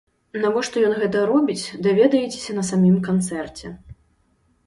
Навошта ён гэта робіць, даведаецеся на самім канцэрце!